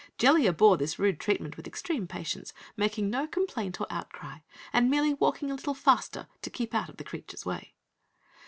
Jellia bore this rude treatment with extreme patience, making no complaint or out cry and merely walking a little faster to keep out of the creature's way.